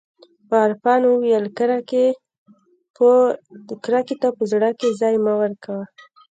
عرفان وويل کرکې ته په زړه کښې ځاى مه ورکوه.